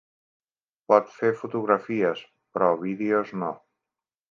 Pot fer fotografies, però vídeos no.